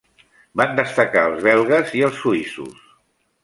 Van destacar els belgues i els suïssos.